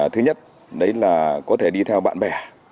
thứ nhất đấy là có thể đi theo bạn bè